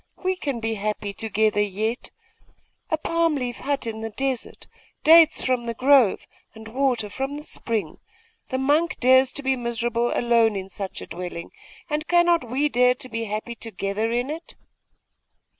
We can be happy together yet. A palm leaf hut in the desert, dates from the grove, and water from the spring the monk dares be miserable alone in such a dwelling, and cannot we dare to be happy together in it?